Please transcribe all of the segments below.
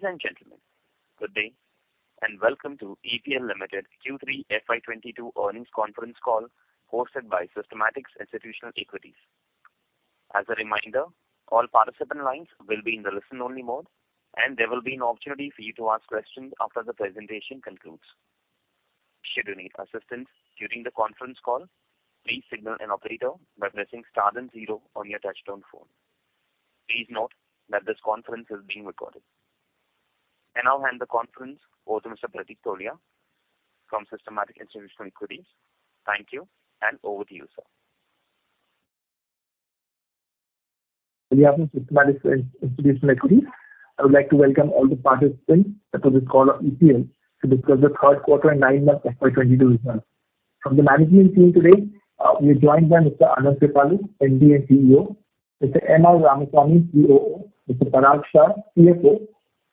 Ladies and gentlemen, good day, and welcome to EPL Limited Q3 FY 2022 earnings conference call hosted by Systematix Institutional Equities. As a reminder, all participant lines will be in the listen-only mode, and there will be an opportunity for you to ask questions after the presentation concludes. Should you need assistance during the conference call, please signal an operator by pressing star then zero on your touchtone phone. Please note that this conference is being recorded. I now hand the conference over to Mr. Pratik Tholiya from Systematix Institutional Equities. Thank you, and over to you, sir. Good afternoon, Systematix Institutional Equities. I would like to welcome all the participants to this call of EPL to discuss the third quarter and nine months FY 2022 results. From the management team today, we're joined by Mr. Anand Kripalu, MD and CEO, Mr. M. R. Ramasamy, COO, Mr. Parag Shah, CFO,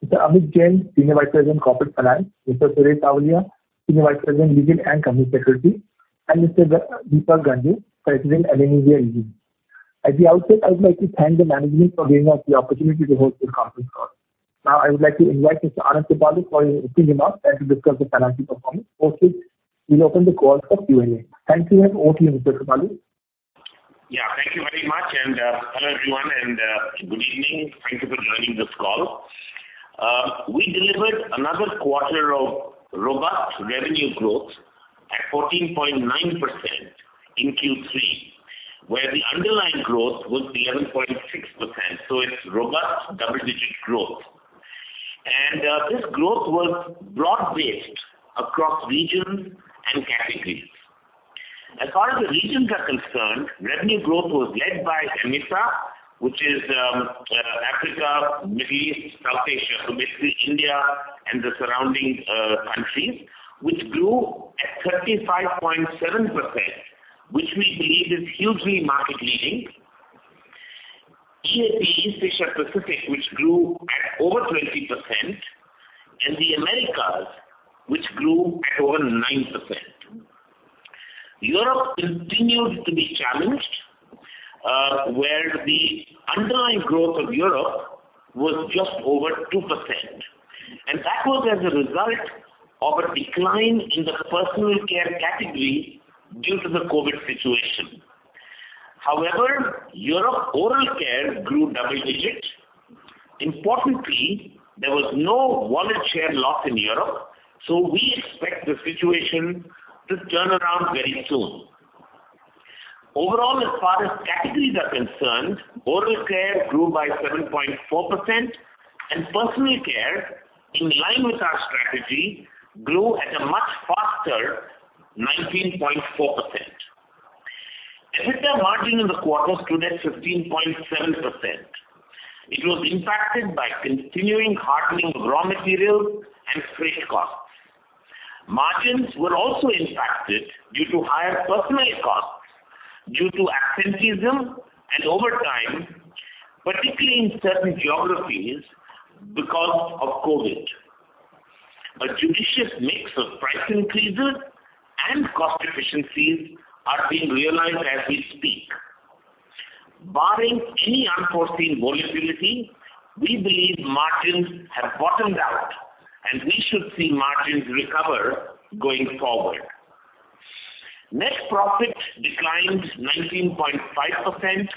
Mr. Amit Jain, Senior Vice President, Corporate Finance, Mr. Suresh Savaliya, Senior Vice President, Legal and Company Secretary, and Mr. Deepak Ganjoo, President, MEA Region. At the outset, I would like to thank the management for giving us the opportunity to host this conference call. Now I would like to invite Mr. Anand Kripalu for his opening remarks and to discuss the financial performance. After, we'll open the call for Q&A. Thank you, and over to you, Mr. Kripalu. Yeah. Thank you very much and hello, everyone, and good evening. Thank you for joining this call. We delivered another quarter of robust revenue growth at 14.9% in Q3, where the underlying growth was 11.6%, so it's robust double-digit growth. This growth was broad-based across regions and categories. As far as the regions are concerned, revenue growth was led by AMESA, which is Africa, Middle East, South Asia, so basically India and the surrounding countries, which grew at 35.7%, which we believe is hugely market-leading. EAP, East Asia Pacific, which grew at over 20%, and the Americas, which grew at over 9%. Europe continued to be challenged, where the underlying growth of Europe was just over 2%, and that was as a result of a decline in the personal care category due to the COVID situation. However, Europe oral care grew double digits. Importantly, there was no wallet share loss in Europe, so we expect the situation to turn around very soon. Overall, as far as categories are concerned, oral care grew by 7.4%, and personal care, in line with our strategy, grew at a much faster 19.4%. EBITDA margin in the quarter stood at 15.7%. It was impacted by continuing hardening raw materials and freight costs. Margins were also impacted due to higher personal costs due to absenteeism and overtime, particularly in certain geographies because of COVID. A judicious mix of price increases and cost efficiencies are being realized as we speak. Barring any unforeseen volatility, we believe margins have bottomed out, and we should see margins recover going forward. Net profit declined 19.5%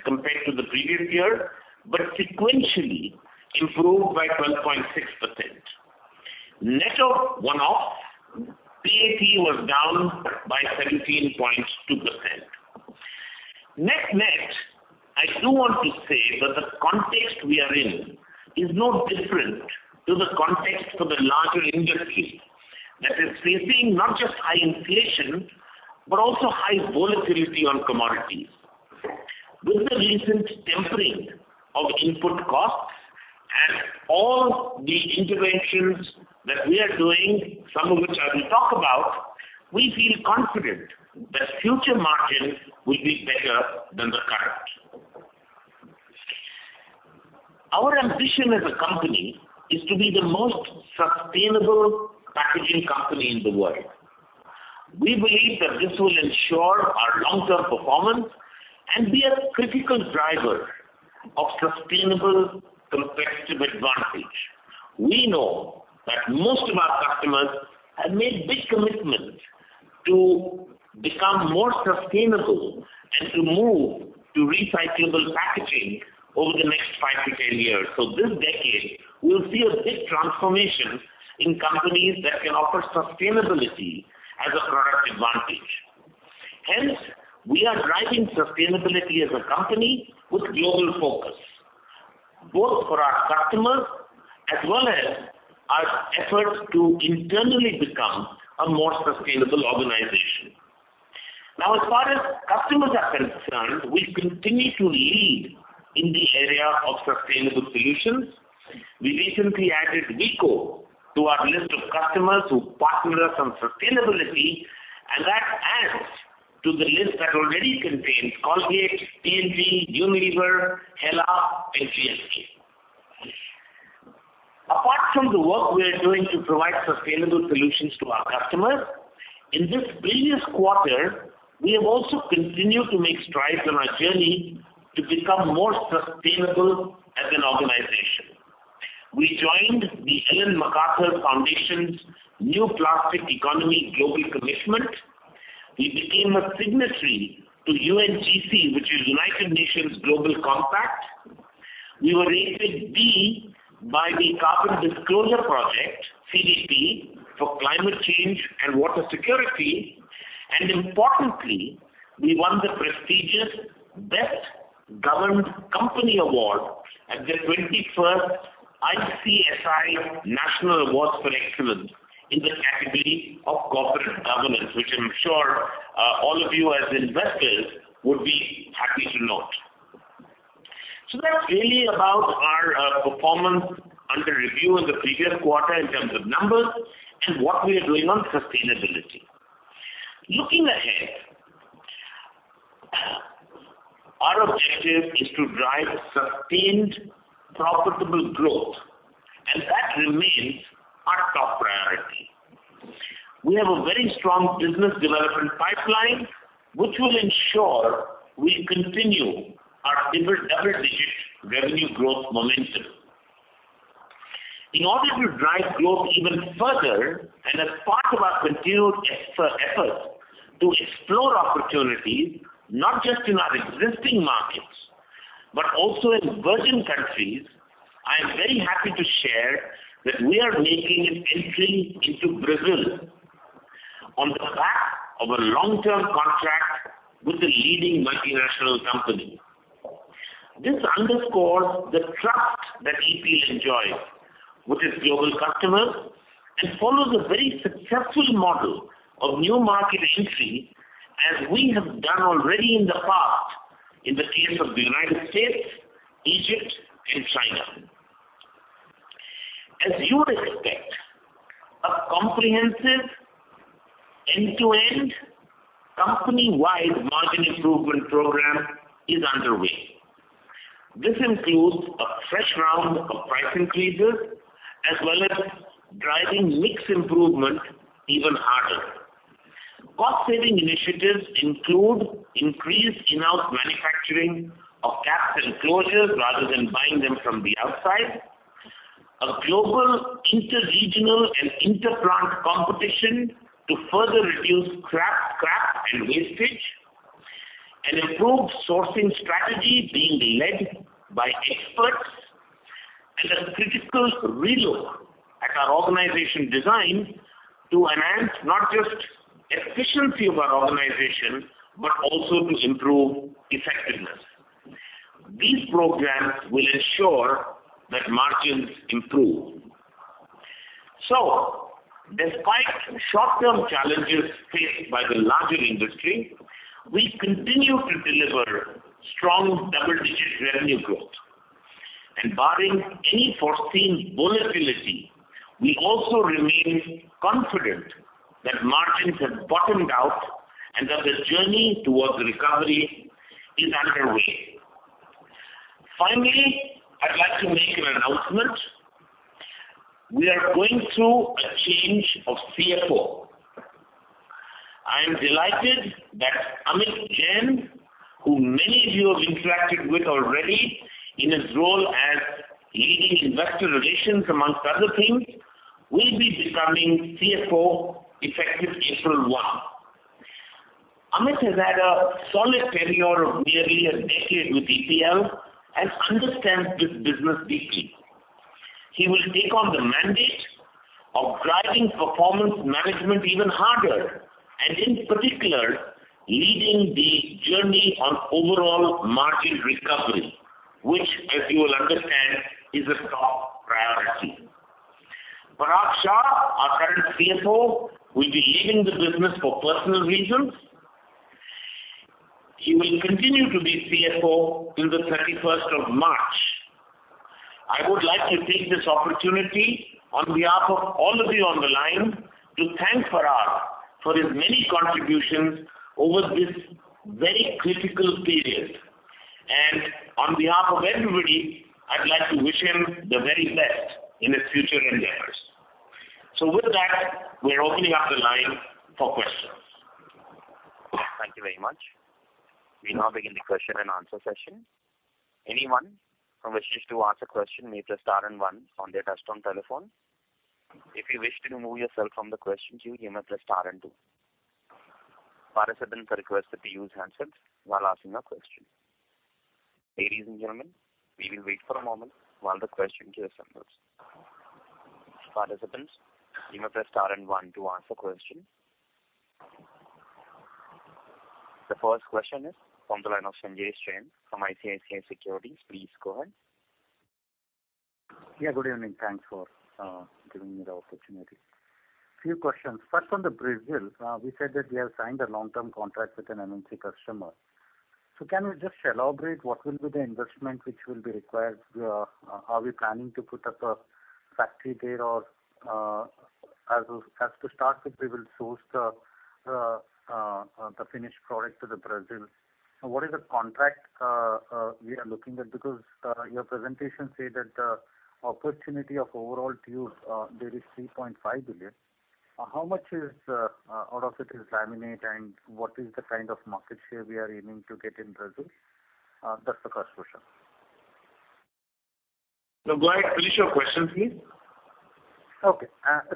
compared to the previous year, but sequentially it grew by 12.6%. Net of one-off, PAT was down by 17.2%. Net-net, I do want to say that the context we are in is no different to the context of the larger industry that is facing not just high inflation, but also high volatility on commodities. With the recent tempering of input costs and all the interventions that we are doing, some of which I will talk about, we feel confident that future margins will be better than the current. Our ambition as a company is to be the most sustainable packaging company in the world. We believe that this will ensure our long-term performance and be a critical driver of sustainable competitive advantage. We know that most of our customers have made big commitments to become more sustainable and to move to recyclable packaging over the next five to 10 years. This decade we'll see a big transformation in companies that can offer sustainability as a product advantage. Hence, we are driving sustainability as a company with global focus, both for our customers as well as our efforts to internally become a more sustainable organization. Now, as far as customers are concerned, we continue to lead in the area of sustainable solutions. We recently added Vicco to our list of customers who partner us on sustainability, and that adds to the list that already contains Colgate, P&G, Unilever, Hela, and GSK. Apart from the work. Sustainable solutions to our customers. In this previous quarter, we have also continued to make strides on our journey to become more sustainable as an organization. We joined the Ellen MacArthur Foundation's New Plastics Economy Global Commitment. We became a signatory to UNGC, which is United Nations Global Compact. We were rated B by the Carbon Disclosure Project, CDP, for climate change and water security. Importantly, we won the prestigious Best Governed Company award at the twenty-first ICSI National Awards for Excellence in the category of corporate governance, which I'm sure, all of you as investors would be happy to note. That's really about our performance under review in the previous quarter in terms of numbers and what we are doing on sustainability. Looking ahead, our objective is to drive sustained, profitable growth, and that remains our top priority. We have a very strong business development pipeline, which will ensure we continue our double-digit revenue growth momentum. In order to drive growth even further, and as part of our continued effort to explore opportunities not just in our existing markets, but also in virgin countries, I am very happy to share that we are making an entry into Brazil on the back of a long-term contract with a leading multinational company. This underscores the trust that EPL enjoys with its global customers and follows a very successful model of new market entry as we have done already in the past in the case of the United States, Egypt, and China. As you would expect, a comprehensive end-to-end company-wide margin improvement program is underway. This includes a fresh round of price increases, as well as driving mix improvement even harder. Cost-saving initiatives include increased in-house manufacturing of caps and closures rather than buying them from the outside, a global interregional and interplant competition to further reduce scrap and wastage, an improved sourcing strategy being led by experts and a critical relook at our organization design to enhance not just efficiency of our organization, but also to improve effectiveness. These programs will ensure that margins improve. Despite short-term challenges faced by the larger industry, we continue to deliver strong double-digit revenue growth. Barring any foreseen volatility, we also remain confident that margins have bottomed out and that the journey towards recovery is underway. Finally, I'd like to make an announcement. We are going through a change of CFO. I am delighted that Amit Jain, who many of you have interacted with already in his role as leading investor relations among other things, will be becoming CFO effective April 1. Amit has had a solid career of nearly a decade with EPL and understands this business deeply. He will take on the mandate of driving performance management even harder and in particular, leading the journey on overall margin recovery, which as you will understand, is a top priority. Parag Shah, our current CFO, will be leaving the business for personal reasons. He will continue to be CFO till the 31st of March. I would like to take this opportunity on behalf of all of you on the line to thank Parag for his many contributions over this very critical period. On behalf of everybody, I'd like to wish him the very best in his future endeavors. With that, we're opening up the line for questions. Thank you very much. We now begin the question and answer session. Anyone who wishes to ask a question may press star and one on their touch-tone telephone. If you wish to remove yourself from the question queue, you may press star and two. Participants are requested to use handsets while asking a question. Ladies and gentlemen, we will wait for a moment while the question queue assembles. Participants, you may press star and one to ask a question. The first question is from the line of SanjeshJain from ICICI Securities. Please go ahead. Yeah, good evening. Thanks for giving me the opportunity. Few questions. First, on Brazil, we said that we have signed a long-term contract with an MNC customer. Can you just elaborate what will be the investment which will be required? Are we planning to put up a factory there or, as to start with, we will source the finished product to Brazil? What is the contract we are looking at? Because your presentation say that the opportunity of overall tubes there is 3.5 billion. How much of it is laminate, and what is the kind of market share we are aiming to get in Brazil? That's the first question. Go ahead. Finish your question, please. Okay.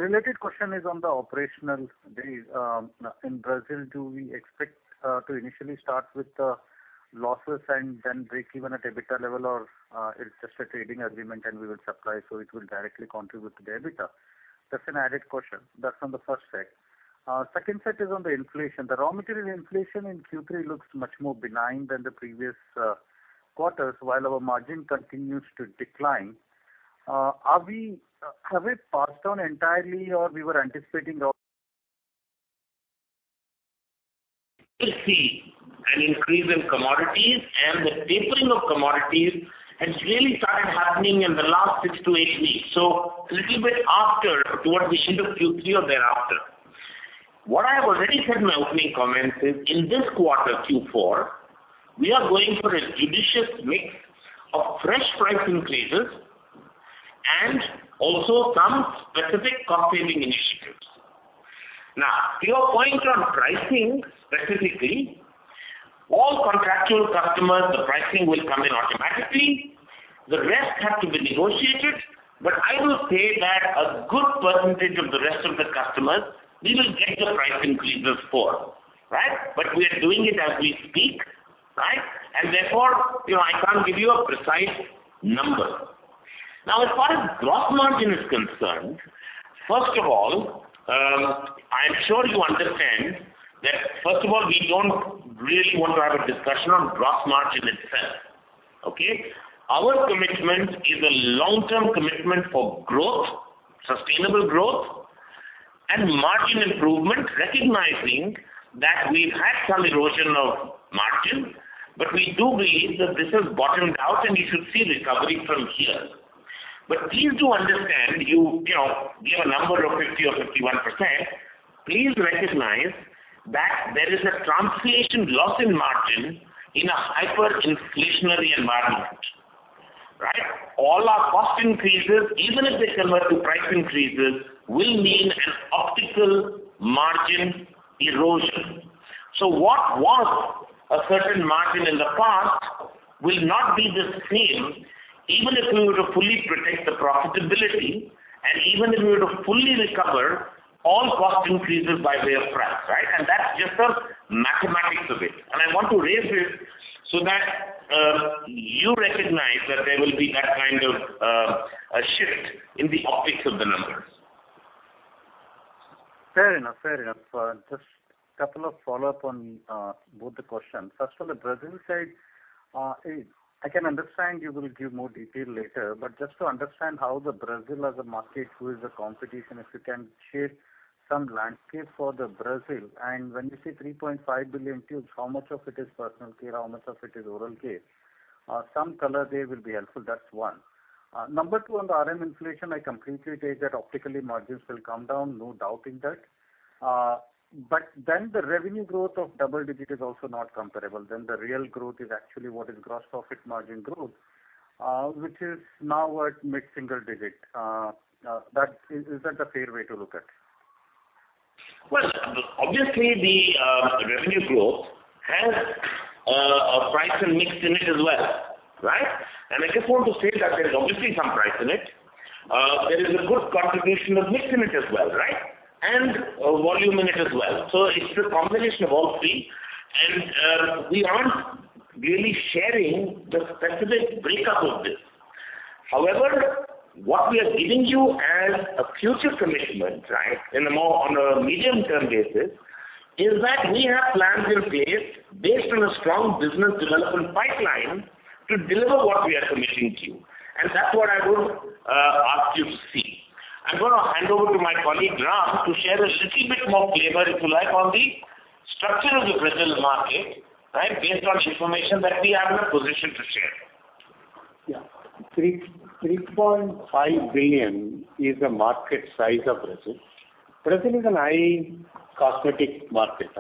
Related question is on the operational base. In Brazil, do we expect to initially start with the losses and then break even at EBITDA level, or it's just a trading agreement and we will supply, so it will directly contribute to the EBITDA? That's an added question. That's on the first set. Second set is on the inflation. The raw material inflation in Q3 looks much more benign than the previous quarters while our margin continues to decline. Have we passed on entirely or we were anticipating all? We see an increase in commodities, and the tapering of commodities has really started happening in the last 6-8 weeks, so a little bit after towards the end of Q3 or thereafter. What I have already said in my opening comments is, in this quarter, Q4, we are going for a judicious mix of fresh price increases and also some specific cost-saving initiatives. Now, to your point on pricing specifically, all contractual customers, the pricing will come in automatically. The rest have to be negotiated, but I will say that a good percentage of the rest of the customers, we will get the price increases for, right? We are doing it as we speak, right? Therefore, you know, I can't give you a precise number. Now, as far as gross margin is concerned, first of all, I'm sure you understand that, we don't really want to have a discussion on gross margin itself, okay? Our commitment is a long-term commitment for growth, sustainable growth and margin improvement, recognizing that we've had some erosion of margin, but we do believe that this has bottomed out, and we should see recovery from here. Please do understand, you know, give a number of 50% or 51%, please recognize that there is a translation loss in margin in a hyperinflationary environment, right? All our cost increases, even if they convert to price increases, will mean an optical margin erosion. What was a certain margin in the past will not be the same, even if we were to fully protect the profitability and even if we were to fully recover all cost increases by way of price, right? That's just the mathematics of it. I want to raise it so that, you recognize that there will be that kind of, a shift in the optics of the numbers. Fair enough. Just couple of follow-up on both the questions. First of all, the Brazil side, I can understand you will give more detail later, but just to understand how the Brazil as a market, who is the competition, if you can share some landscape for the Brazil. When you say 3.5 billion tubes, how much of it is personal care, how much of it is oral care? Some color there will be helpful. That's one. Number 2, on the RM inflation, I completely take that optically margins will come down. No doubt in that. The revenue growth of double-digit is also not comparable. The real growth is actually what is gross profit margin growth, which is now at mid-single-digit. Is that a fair way to look at it? Well, obviously the revenue growth has a price and mix in it as well, right? I just want to state that there is obviously some price in it. There is a good contribution of mix in it as well, right? Volume in it as well. It's the combination of all three. We aren't really sharing the specific breakup of this. However, what we are giving you as a future commitment, right, in a more, on a medium-term basis, is that we have plans in place based on a strong business development pipeline to deliver what we are committing to you. That's what I would ask you to see. I'm gonna hand over to my colleague, Ram, to share a little bit more flavor, if you like, on the structure of the Brazil market, right, based on information that we are in a position to share. Yeah. $3.5 billion is the market size of Brazil. Brazil is a high cosmetic market.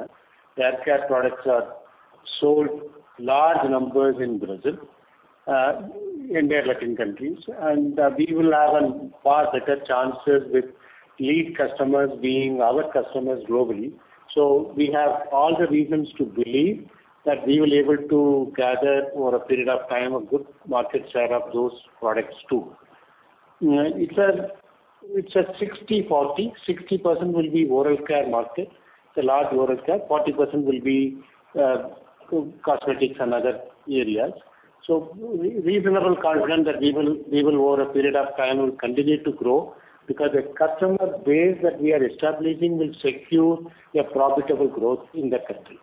The haircare products are sold large numbers in Brazil, in their Latin countries. We will have a far better chances with lead customers being our customers globally. We have all the reasons to believe that we will be able to gather, over a period of time, a good market share of those products too. It's a 60/40. 60% will be oral care market. It's a large oral care. 40% will be cosmetics and other areas. Reasonably confident that we will continue to grow over a period of time because the customer base that we are establishing will secure a profitable growth in that country.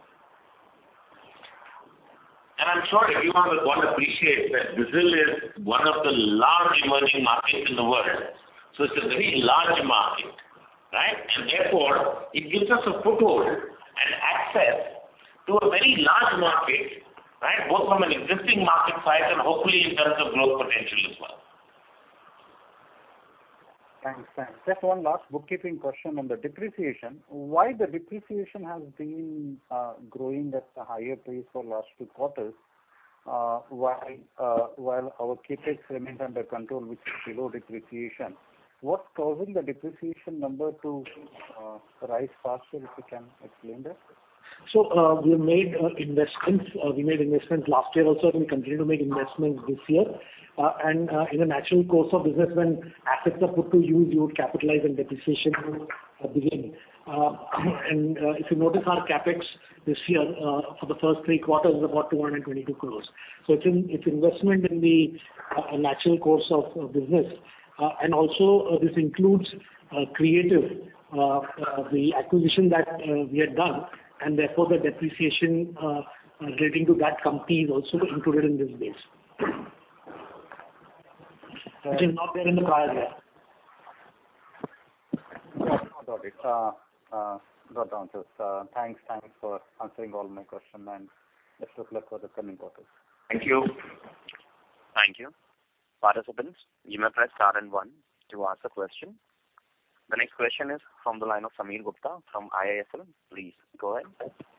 I'm sure everyone will appreciate that Brazil is one of the large emerging markets in the world, so it's a very large market, right? Therefore, it gives us a foothold and access to a very large market, right, both from an existing market size and hopefully in terms of growth potential as well. Thanks. Just one last bookkeeping question on the depreciation. Why the depreciation has been growing at a higher pace for last two quarters, while our CapEx remains under control, which is below depreciation? What's causing the depreciation number to rise faster, if you can explain that. We made investments last year also, and we continue to make investments this year. In the natural course of business, when assets are put to use, you would capitalize and depreciation will begin. If you notice our CapEx this year, for the first three quarters is about 222 crores. It's investment in the natural course of business. This includes Creative, the acquisition that we had done, and therefore the depreciation relating to that company is also included in this base. Right. Which is not there in the prior year. No doubt about it. Well done, sir. Thanks for answering all my questions, and best of luck for the coming quarters. Thank you. Thank you. Participants, you may Press Star and one to ask a question. The next question is from the line of Sameer Gupta from IIFL. Please go ahead.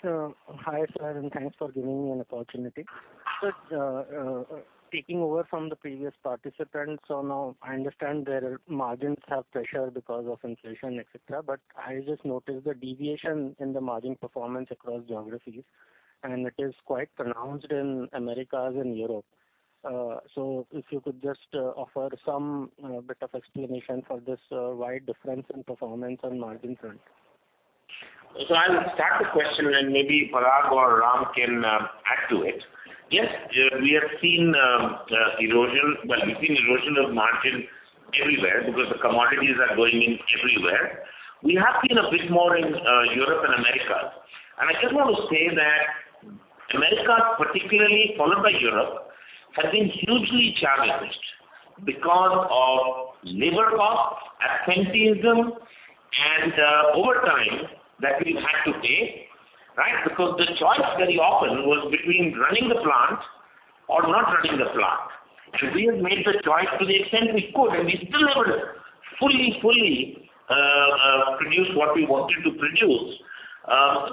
Sir, hi, sir, and thanks for giving me an opportunity. Taking over from the previous participant. Now I understand their margins have pressure because of inflation, etcetera, but I just noticed the deviation in the margin performance across geographies, and it is quite pronounced in Americas and Europe. If you could just offer some bit of explanation for this wide difference in performance on margin front? I'll start the question, and maybe Parag or Ram can add to it. Yes, we have seen erosion. Well, we've seen erosion of margin everywhere because the commodities are going up everywhere. We have seen a bit more in Europe and America. I just want to say that America particularly, followed by Europe, has been hugely challenged because of labor costs, absenteeism and overtime that we've had to pay, right? Because the choice very often was between running the plant or not running the plant. We have made the choice to the extent we could, and we still haven't fully produced what we wanted to produce.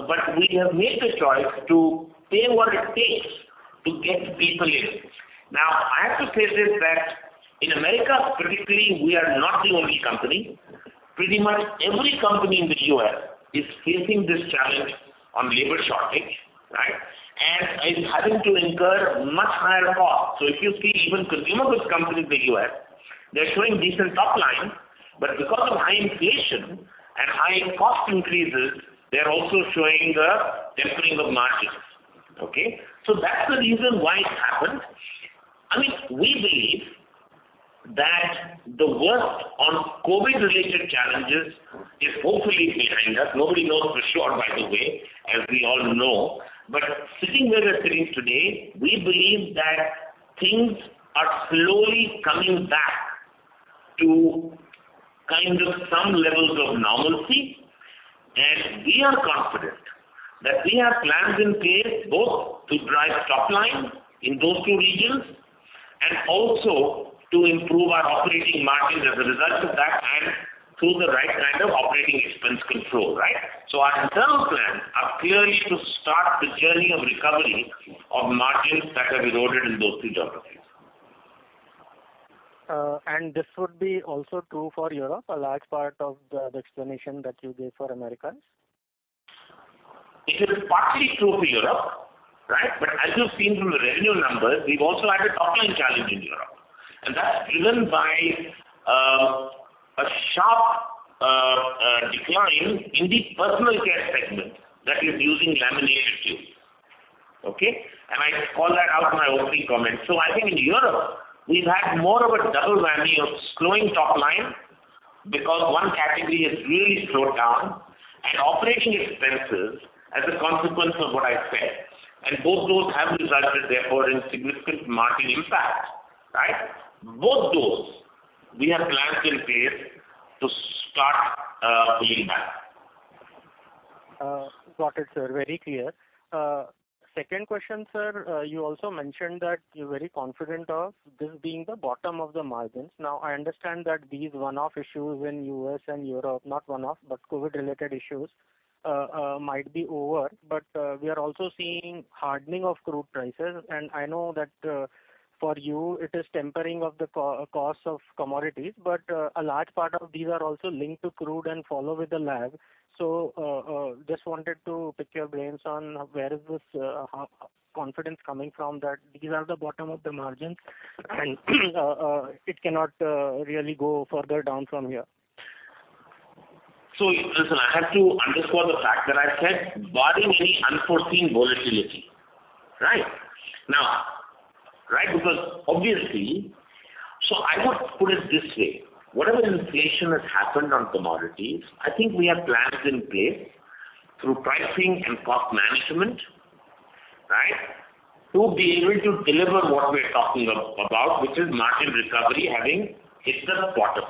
But we have made the choice to pay what it takes to get people in. Now, I have to say this, that in America particularly, we are not the only company. Pretty much every company in the U.S. is facing this challenge on labor shortage, right, and is having to incur much higher costs. If you see even consumer goods companies in the U.S., they're showing decent top line, but because of high inflation and higher cost increases, they're also showing the tempering of margins. Okay? That's the reason why it happened. I mean, we believe that the worst on COVID-related challenges is hopefully behind us. Nobody knows for sure, by the way, as we all know. Sitting where we're sitting today, we believe that things are slowly coming back to kind of some levels of normalcy. We are confident that we have plans in place both to drive top line in those two regions and also to improve our operating margins as a result of that and through the right kind of operating expense control, right? Our internal plans are clearly to start the journey of recovery of margins that have eroded in those two geographies. This would be also true for Europe, a large part of the explanation that you gave for Americas? It is partly true for Europe, right? As you've seen from the revenue numbers, we've also had a top-line challenge in Europe. That's driven by a sharp decline in the personal care segment that is using laminated tubes. Okay? I called that out in my opening comments. I think in Europe we've had more of a double whammy of slowing top line because one category has really slowed down, and operating expenses as a consequence of what I said. Both those have resulted therefore in significant margin impact, right? Both those we have plans in place to start pulling back. Got it, sir. Very clear. Second question, sir. You also mentioned that you're very confident of this being the bottom of the margins. Now, I understand that these one-off issues in U.S. and Europe, not one-off, but COVID-related issues, might be over, but we are also seeing hardening of crude prices. I know that, for you it is tempering of the cost of commodities, but a large part of these are also linked to crude and follow with the lag. Just wanted to pick your brains on where is this confidence coming from that these are the bottom of the margins and it cannot really go further down from here. Listen, I have to underscore the fact that I said barring any unforeseen volatility, right? Right? Because obviously, I would put it this way, whatever inflation has happened on commodities, I think we have plans in place through pricing and cost management, right, to be able to deliver what we're talking about, which is margin recovery having hit the bottom.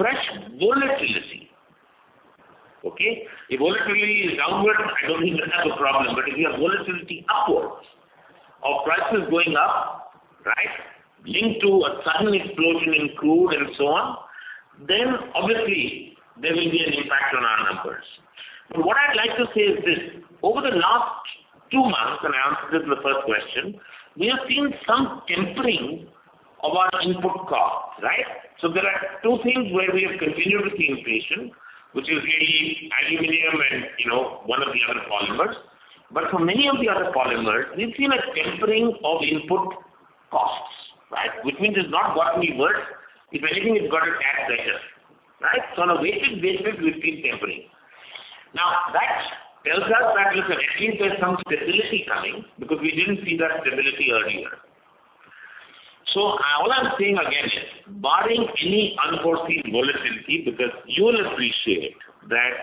If volatility is downward, I don't think that's a problem. If you have volatility upwards or prices going up, right, linked to a sudden explosion in crude and so on, then obviously there will be an impact on our numbers. What I'd like to say is this, over the last two months, and I answered this in the first question, we have seen some tempering of our input costs, right? There are two things where we have continued to see inflation, which is really aluminum and, you know, one of the other polymers. For many of the other polymers, we've seen a tempering of input costs, right? Which means it's not gotten any worse. If anything, it's gotten a tad better, right? On a weighted basis, we've seen tempering. Now, that tells us that, look, at least there's some stability coming because we didn't see that stability earlier. All I'm saying again is barring any unforeseen volatility, because you will appreciate that,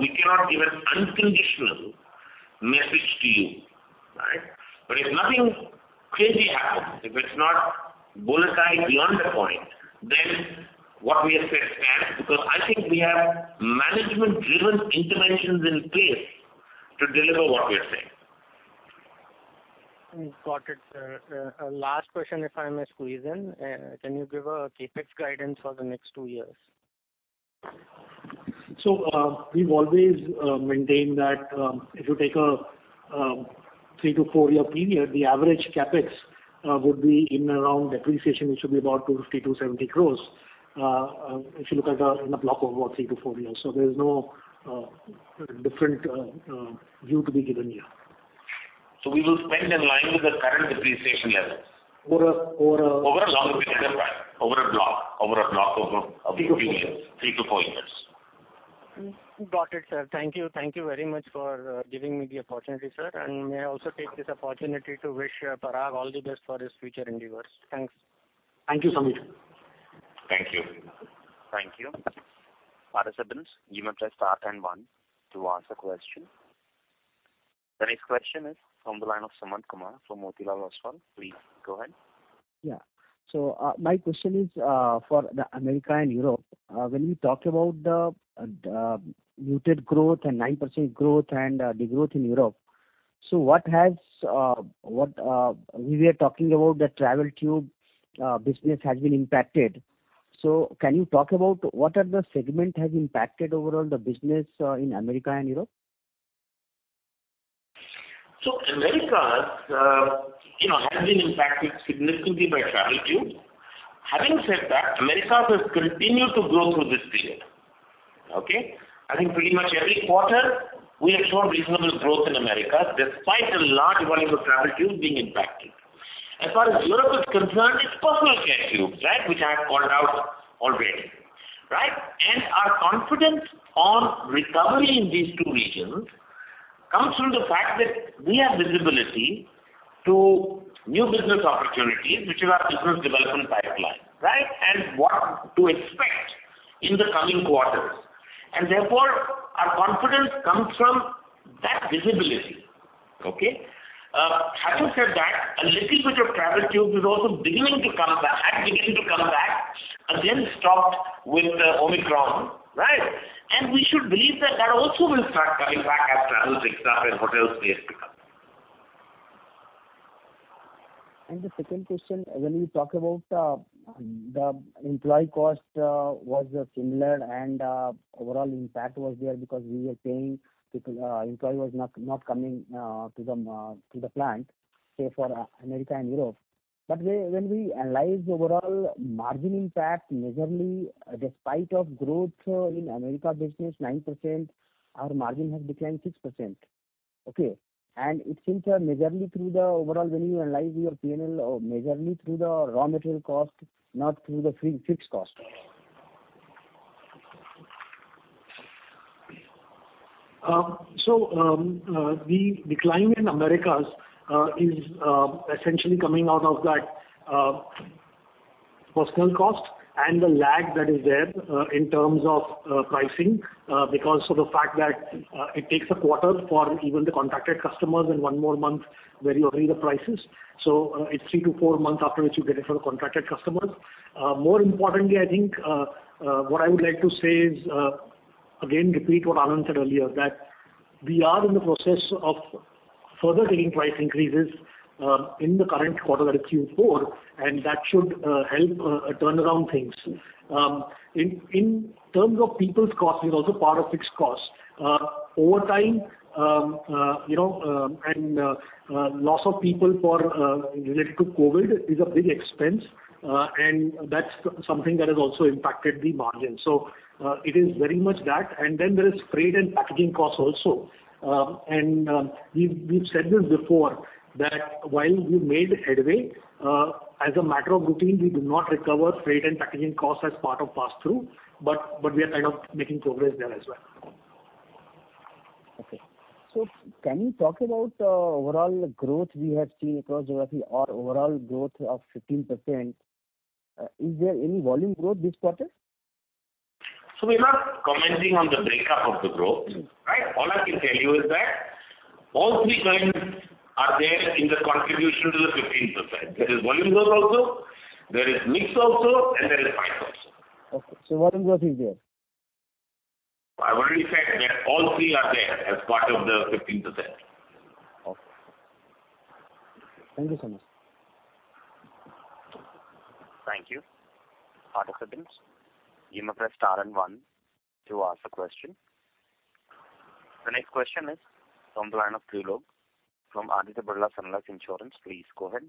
we cannot give an unconditional message to you, right? If nothing crazy happens, if it's not boiling over beyond a point, then what we have said stands because I think we have management-driven interventions in place to deliver what we are saying. Got it, sir. Last question, if I may squeeze in. Can you give a CapEx guidance for the next two years? We've always maintained that if you take a 3-4year period, the average CapEx would be in and around depreciation, which should be about 250 crore-270 crore if you look at it in a block of about 3-4 years. There is no different view to be given here. We will spend in line with the current depreciation levels. Over, over- Over a longer period of time. Over a block of a few years. 3-4 years. 3-4 years. Got it, sir. Thank you. Thank you very much for giving me the opportunity, sir. May I also take this opportunity to wish Parag all the best for his future endeavors. Thanks. Thank you, Sumeer. Thank you. Thank you. Other attendants, you may press star then one to ask a question. The next question is from the line of Suman Kumar from Motilal Oswal. Please go ahead. My question is for America and Europe, when you talk about the muted growth and 9% growth and the growth in Europe. We were talking about the travel tube business has been impacted. Can you talk about what are the segment has impacted overall the business in America and Europe? Americas has been impacted significantly by travel tube. Having said that, Americas has continued to grow through this period. Okay? I think pretty much every quarter we have shown reasonable growth in Americas despite a large volume of travel tubes being impacted. As far as Europe is concerned, it's personal care tubes, right, which I have called out already, right? Our confidence on recovery in these two regions comes from the fact that we have visibility to new business opportunities, which is our business development pipeline, right? And what to expect in the coming quarters. Therefore, our confidence comes from that visibility. Okay? Having said that, a little bit of travel tubes is also beginning to come back, had beginning to come back, again stopped with Omicron, right? We should believe that that also will start coming back as travel picks up and hotel space picks up. The second question, when you talk about the employee cost was similar and overall impact was there because we were saying employees were not coming to the plant, say for America and Europe. But when we analyze the overall margin impact, majorly despite of growth in America business 9%, our margin has declined 6%. Okay. It seems majorly through the overall when you analyze your P&L, majorly through the raw material cost, not through the fixed cost. The decline in Americas is essentially coming out of that personnel cost and the lag that is there in terms of pricing because of the fact that it takes a quarter for even the contracted customers and one more month where you agree the prices. It's three to four months after which you get it for the contracted customers. More importantly, I think what I would like to say is again repeat what Anand said earlier, that we are in the process of further taking price increases in the current quarter that is Q4, and that should help turn around things. In terms of personnel costs is also part of fixed costs. Overtime, you know, and loss of people for related to COVID is a big expense, and that's something that has also impacted the margin. It is very much that. Then there is freight and packaging costs also. We've said this before, that while we made headway, as a matter of routine, we do not recover freight and packaging costs as part of pass-through, but we are kind of making progress there as well. Okay. Can you talk about overall growth we have seen across geography or overall growth of 15%? Is there any volume growth this quarter? We're not commenting on the breakup of the growth. Mm-hmm. Right? All I can tell you is that all three kinds are there in the contribution to the 15%. There is volume growth also, there is mix also, and there is price also. Okay. Volume growth is there. I've already said that all three are there as part of the 15%. Okay. Thank you so much. Thank you. Participants, you may Press Star and one to ask a question. The next question is from the line of Trilok from Aditya Birla Sun Life Insurance. Please go ahead.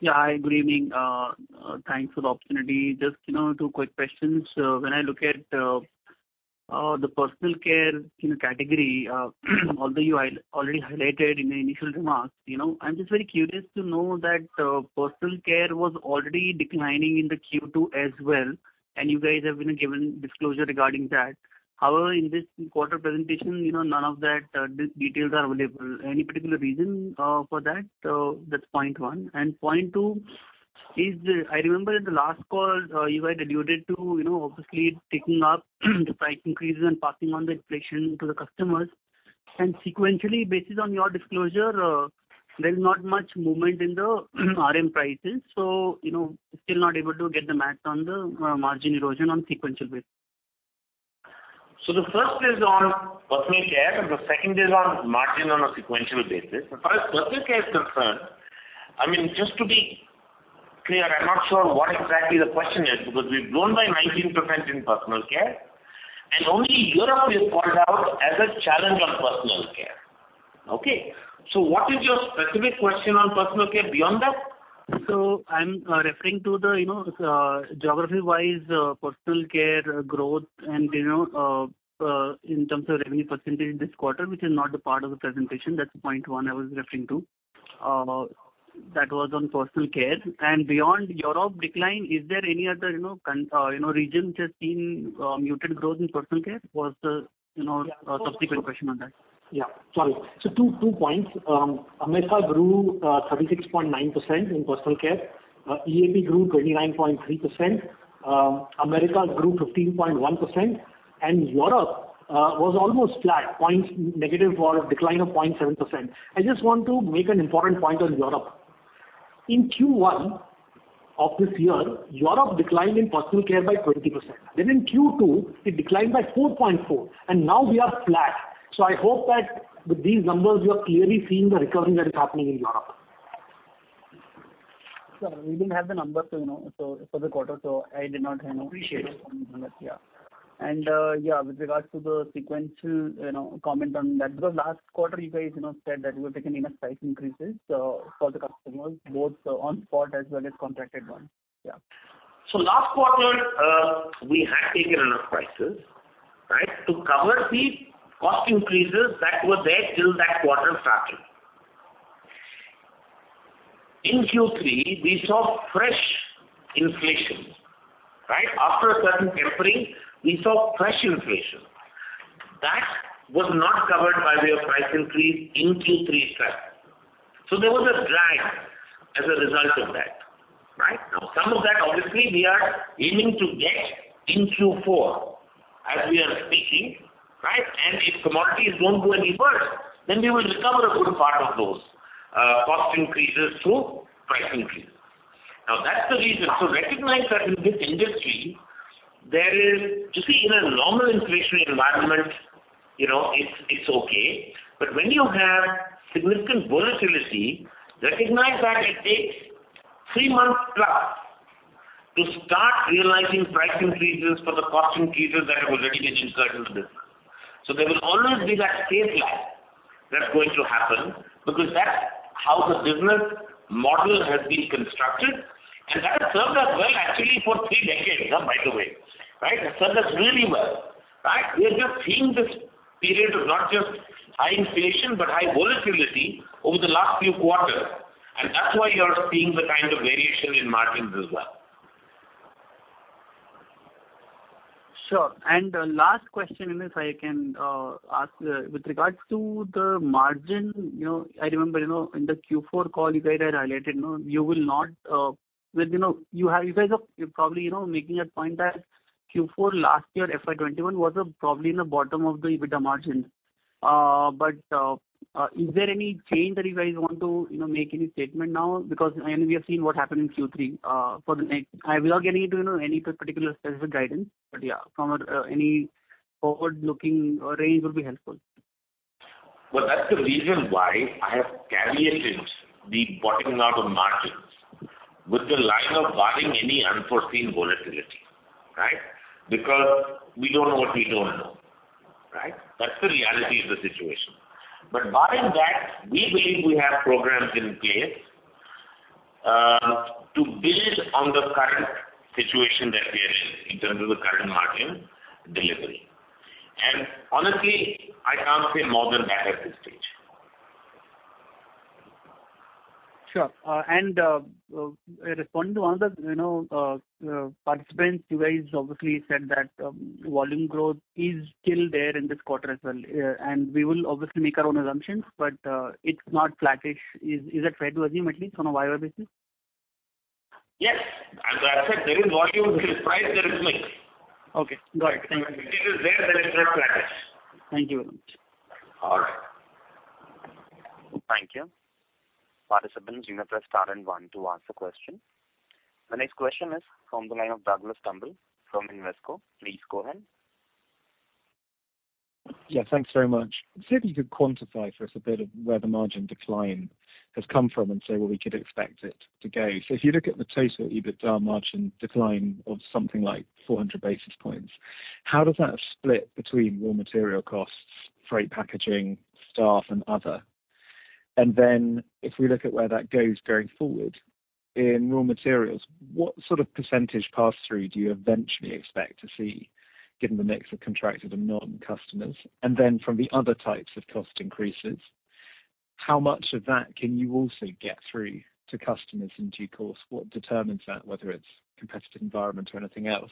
Yeah. Hi, good evening. Thanks for the opportunity. Just, you know, two quick questions. When I look at the personal care, you know, category, although you have already highlighted in the initial remarks, you know, I'm just very curious to know that personal care was already declining in the Q2 as well, and you guys have, you know, given disclosure regarding that. However, in this quarter presentation, you know, none of that details are available. Any particular reason for that? That's point one. Point two is the. I remember in the last call, you guys alluded to, you know, obviously taking up the price increases and passing on the inflation to the customers. Sequentially, based on your disclosure, there's not much movement in the RM prices. You know, still not able to get the math on the margin erosion on sequential basis. The first is on personal care and the second is on margin on a sequential basis. As far as personal care is concerned, I mean, just to be clear, I'm not sure what exactly the question is, because we've grown by 19% in personal care and only Europe we have called out as a challenge on personal care. Okay? What is your specific question on personal care beyond that? I'm referring to the, you know, geography-wise, personal care growth and, you know, in terms of revenue percentage this quarter, which is not a part of the presentation. That's point one I was referring to. That was on personal care. Beyond Europe decline, is there any other, you know, region which has seen muted growth in personal care? Was the, you know, subsequent question on that. Two points. America grew 36.9% in personal care. EAP grew 29.3%. America grew 15.1%. Europe was almost flat, negative or decline of 0.7%. I just want to make an important point on Europe. In Q1 of this year, Europe declined in personal care by 20%. Then in Q2, it declined by 4.4, and now we are flat. I hope that with these numbers you are clearly seeing the recovery that is happening in Europe. Sure. We didn't have the numbers to know, so for the quarter, I did not, you know- Appreciate it. Yeah. Yeah, with regards to the sequential, you know, comment on that. Because last quarter you guys, you know, said that you had taken enough price increases for the customers, both on spot as well as contracted ones. Yeah. Last quarter, we had taken enough prices, right, to cover the cost increases that were there till that quarter started. In Q3, we saw fresh inflation, right? After a certain tempering, we saw fresh inflation. That was not covered by way of price increase in Q3 start. There was a drag as a result of that, right? Now, some of that obviously we are aiming to get in Q4 as we are speaking, right? If commodities don't go any worse, then we will recover a good part of those, cost increases through price increase. Now, that's the reason. Recognize that in this industry there is, you see, in a normal inflationary environment, you know, it's okay. When you have significant volatility, recognize that it takes three months plus to start realizing price increases for the cost increases that have already been inserted into the business. There will always be that phase lag that's going to happen, because that's how the business model has been constructed, and that has served us well actually for three decades, by the way. Right? It's served us really well, right? We're just seeing this period of not just high inflation but high volatility over the last few quarters, and that's why you're seeing the kind of variation in margins as well. Sure. Last question, if I can ask with regards to the margin. You know, I remember, you know, in the Q4 call you guys had highlighted, you know, you guys are probably, you know, making a point that Q4 last year, FY 2021, was probably in the bottom of the EBITDA margins. But is there any change that you guys want to, you know, make any statement now? Because, I mean, we have seen what happened in Q3. I mean without getting into, you know, any particular specific guidance, but yeah, from any forward-looking range would be helpful. Well, that's the reason why I have caveated the bottoming out of margins with the line of barring any unforeseen volatility, right? Because we don't know what we don't know, right? That's the reality of the situation. But barring that, we believe we have programs in place to build on the current situation that we are in terms of the current margin delivery. Honestly, I can't say more than that at this stage. Sure. Responding to one of the, you know, participants, you guys obviously said that volume growth is still there in this quarter as well. We will obviously make our own assumptions, but it's not flattish. Is that fair to assume at least on a YOY basis? Yes. As I said, there is volume, there is price, there is mix. Okay, got it. Thank you. It is there. That is our practice. Thank you very much. All right. Thank you. Participants, you may press star and one to ask a question. The next question is from the line of Douglas Turnbull from Invesco. Please go ahead. Yeah, thanks very much. See if you could quantify for us a bit of where the margin decline has come from and say where we could expect it to go. If you look at the total EBITDA margin decline of something like 400 basis points, how does that split between raw material costs, freight, packaging, staff and other? If we look at where that goes going forward in raw materials, what sort of percentage pass-through do you eventually expect to see given the mix of contracted and non customers? From the other types of cost increases, how much of that can you also get through to customers in due course? What determines that, whether it's competitive environment or anything else?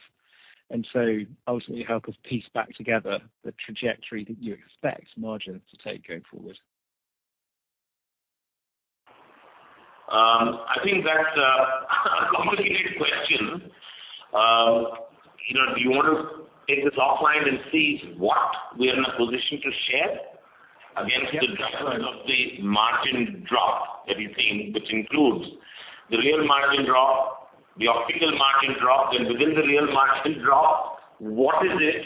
Ultimately help us piece back together the trajectory that you expect margins to take going forward. I think that's a complicated question. You know, do you want to take this offline and see what we are in a position to share against the drivers of the margin drop that you're seeing, which includes the real margin drop, the optical margin drop, and within the real margin drop, what is it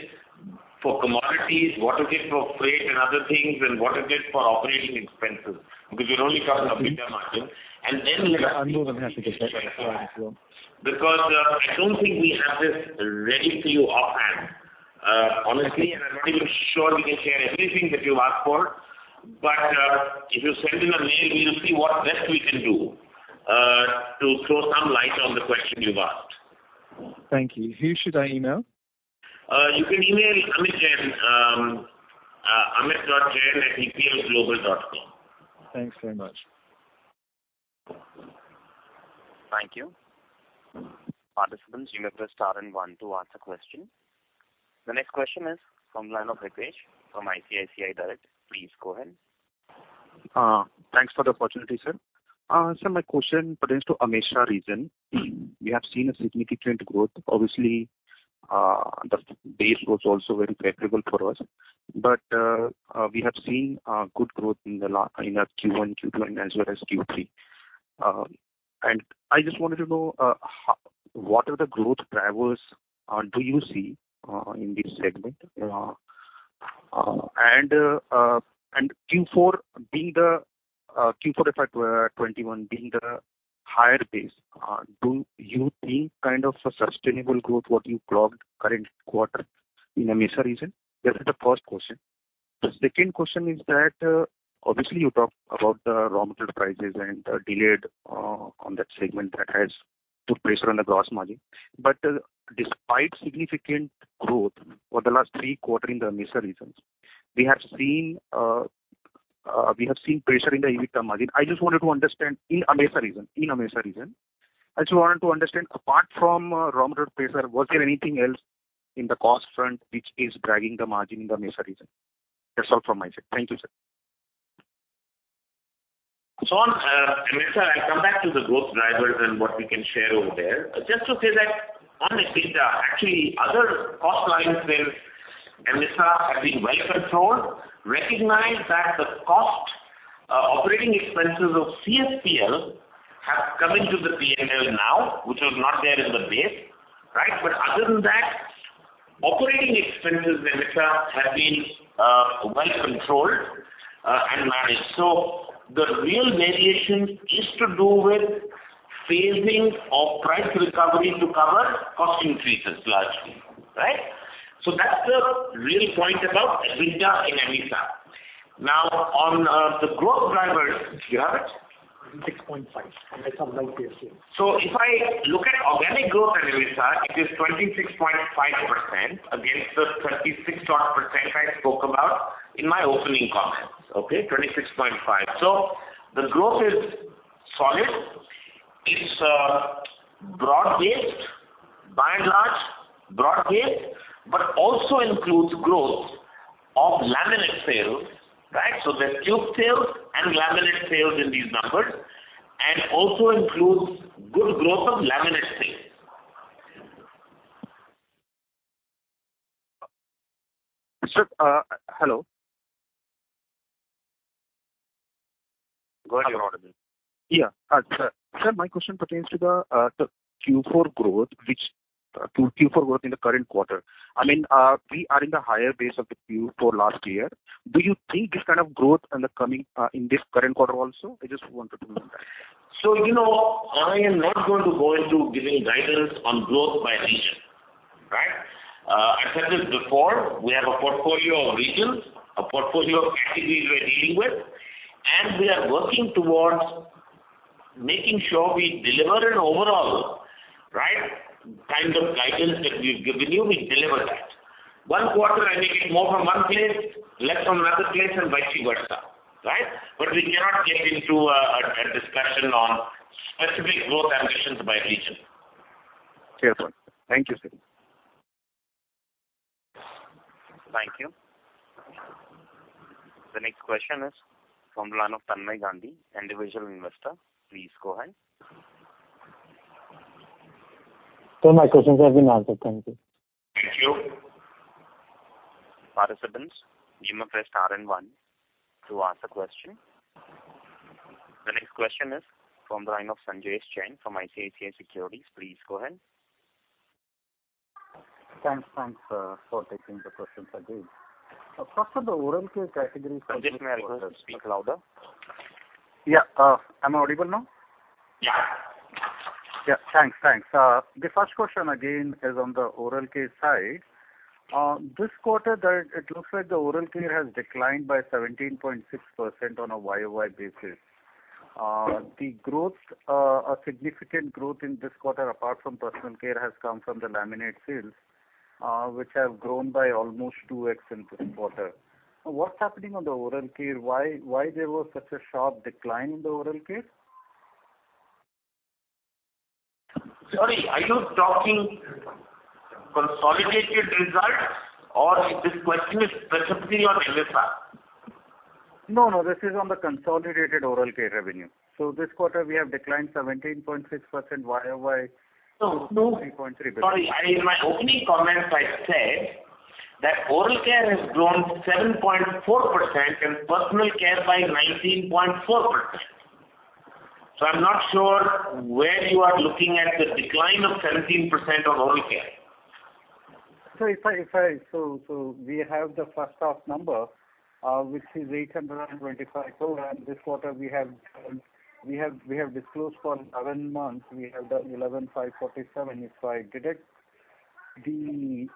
for commodities, what is it for freight and other things, and what is it for operating expenses? Because you're only talking of EBITDA margin. We have- I'm more than happy to take that. Because, I don't think we have this ready for you offhand, honestly, and I'm not even sure we can share everything that you ask for. If you send in a mail, we will see what best we can do, to throw some light on the question you've asked. Thank you. Who should I email? You can email Amit Jain, amit.jain@eplglobal.com. Thanks very much. Thank you. Participants, you may press star and one to ask a question. The next question is from the line of Ritesh from ICICI Direct. Please go ahead. Thanks for the opportunity, sir. My question pertains to AMESA region. We have seen a significant growth. Obviously, the base was also very favorable for us. We have seen good growth in Q1, Q2, and as well as Q3. I just wanted to know what are the growth drivers do you see in this segment? Q4 FY 2021 being the higher base, do you think kind of a sustainable growth what you clocked current quarter in AMESA region? That is the first question. The second question is that obviously you talked about the raw material prices and the delays in that segment that has put pressure on the gross margin. Despite significant growth for the last three quarters in the AMESA region, we have seen pressure in the EBITDA margin. I just wanted to understand in AMESA region, apart from raw material pressure, was there anything else in the cost front which is dragging the margin in the AMESA region? That's all from my side. Thank you, sir. On AMESA, I'll come back to the growth drivers and what we can share over there. Just to say that on EBITDA, actually other cost lines in AMESA have been well controlled. Recognize that the cost, operating expenses of CSPL have come into the P&L now, which was not there in the base, right? Other than that, operating expenses in AMESA have been well controlled and managed. The real variation is to do with phasing of price recovery to cover cost increases largely, right? That's the real point about EBITDA in AMESA. Now on the growth drivers, do you have it? 26.5. If I look at organic growth in AMESA, it is 26.5% against the 36 odd % I spoke about in my opening comments. Okay, 26.5. The growth is solid. It's broad-based, by and large broad-based, but also includes growth of laminate sales, right? There's tube sales and laminate sales in these numbers, and also includes good growth of laminate sales. Sir, hello. Go ahead. You're on mute. Yeah. Sir, my question pertains to the Q4 growth in the current quarter. I mean, we are in the higher base of the Q4 last year. Do you think this kind of growth in the coming, in this current quarter also? I just wanted to know that. You know, I am not going to go into giving guidance on growth by region. Right? I said this before, we have a portfolio of regions, a portfolio of categories we are dealing with, and we are working towards making sure we deliver an overall, right, kind of guidance that we've given you, we deliver that. One quarter, I may get more from one place, less from another place, and vice versa. Right? We cannot get into a discussion on specific growth ambitions by region. Clear, sir. Thank you, sir. Thank you. The next question is from the line of Tanmay Gandhi, individual investor. Please go ahead. My questions have been answered. Thank you. Thank you. The next question is from the line of Sanjay Manyal from ICICI Securities. Please go ahead. Thanks, thanks, for taking the question, Sajeev. First of the oral care category. Sanjay, may I request, speak louder. Yeah. Am I audible now? Yeah. Thanks. The first question again is on the oral care side. This quarter, it looks like the oral care has declined by 17.6% on a year-over-year basis. The growth, a significant growth in this quarter, apart from personal care, has come from the laminate sales, which have grown by almost 2x in this quarter. What's happening on the oral care? Why there was such a sharp decline in the oral care? Sorry. Are you talking consolidated results or this question is specifically on MSR? No, no, this is on the consolidated oral care revenue. This quarter we have declined 17.6% Y-o-Y. No, no. Sorry. In my opening comments, I said that oral care has grown 7.4% and personal care by 19.4%. So I'm not sure where you are looking at the decline of 17% of oral care. We have the first half number, which is 825 crore, and this quarter we have disclosed for 11 months, we have done 11,547. If I deduct the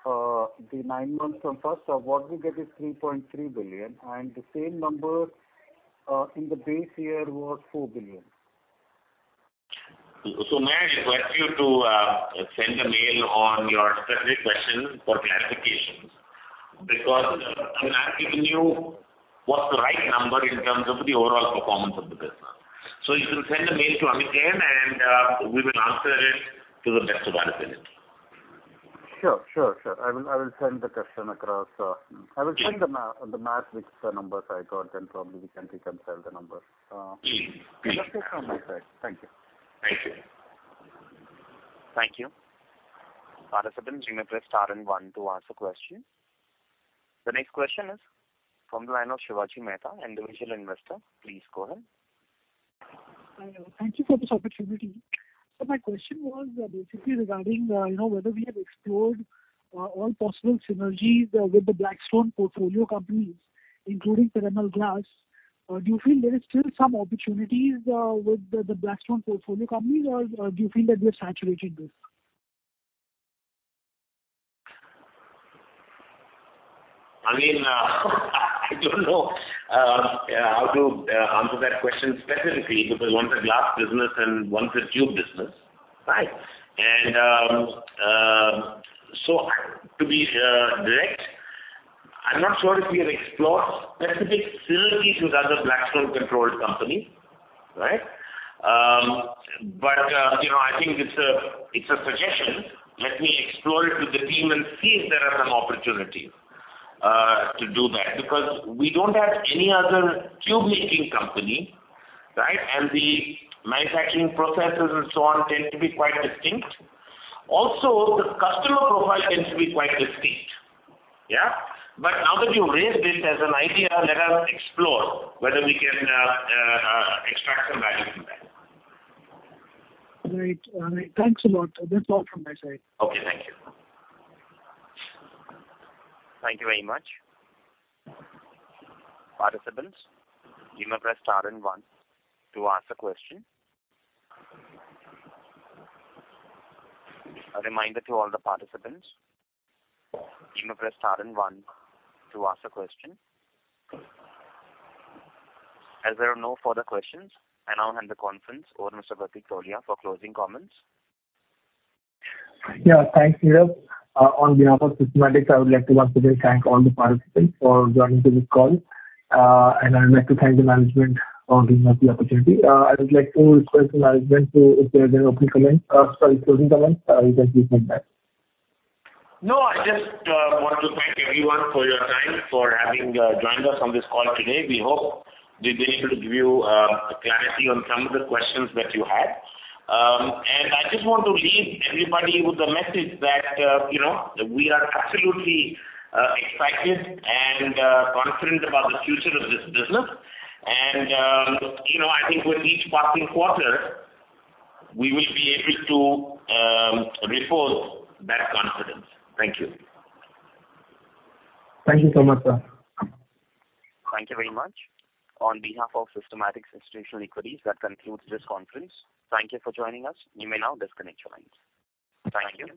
nine months from first half, what we get is 3.3 billion, and the same number in the base year was 4 billion. May I request you to send a mail on your specific question for clarifications, because I'm not giving you what's the right number in terms of the overall performance of the business. If you send a mail to Amit Jain and we will answer it to the best of our ability. Sure. I will send the question across. I will send the math with the numbers I got, then probably we can reconcile the numbers. Clear from my side. Thank you. Thank you. Thank you. Participants, you may press star and one to ask a question. The next question is from the line of Shivaji Mehta, Individual Investor. Please go ahead. Thank you for this opportunity. My question was, basically regarding, you know, whether we have explored, all possible synergies, with the Blackstone portfolio companies, including Piramal Glass. Do you feel there is still some opportunities, with the Blackstone portfolio companies or do you feel that we have saturated this? I mean, I don't know how to answer that question specifically because one's a glass business and one's a tube business, right? To be direct, I'm not sure if we have explored specific synergies with other Blackstone-controlled companies, right? You know, I think it's a suggestion. Let me explore it with the team and see if there are some opportunities to do that, because we don't have any other tube making company, right? The manufacturing processes and so on tend to be quite distinct. Also, the customer profile tends to be quite distinct. Now that you raised it as an idea, let us explore whether we can extract some value from that. Great. All right. Thanks a lot. That's all from my side. Okay. Thank you. Thank you very much. Participants, you may press star and one to ask a question. A reminder to all the participants, you may press star and one to ask a question. As there are no further questions, I now hand the conference over to Mr. Pratik Tholiya for closing comments. Yeah. Thanks, Neeraj. On behalf of Systematix, I would like to once again thank all the participants for joining this call. I would like to thank the management for giving us the opportunity. I would like to request the management to, if there are any closing comments, you can please make them. No, I just want to thank everyone for your time, for having joined us on this call today. We hope we've been able to give you clarity on some of the questions that you had. I just want to leave everybody with a message that you know, we are absolutely excited and confident about the future of this business. You know, I think with each passing quarter, we will be able to reinforce that confidence. Thank you. Thank you so much, sir. Thank you very much. On behalf of Systematix Institutional Equities, that concludes this conference. Thank you for joining us. You may now disconnect your lines. Thank you.